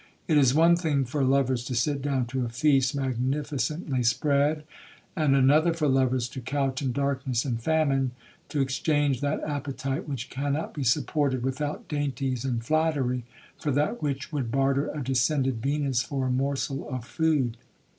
It is one thing for lovers to sit down to a feast magnificently spread, and another for lovers to couch in darkness and famine,—to exchange that appetite which cannot be supported without dainties and flattery, for that which would barter a descended Venus for a morsel of food.